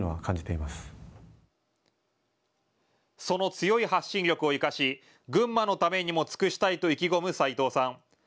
その強い発信力を生かし群馬のためにも尽くしたいと意気込む斎藤さん。